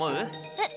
えっ？